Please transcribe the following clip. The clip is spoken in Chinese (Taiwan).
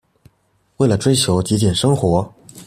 為了追求極簡生活